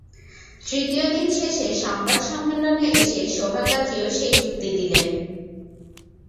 তৃতীয় দিন শেষে সংবাদ সম্মেলনে এসে সোহাগ গাজীও সেই যুক্তি দিলেন।